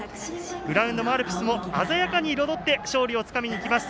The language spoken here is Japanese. グラウンドも、アルプスも鮮やかに彩って勝利をつかみに行きます。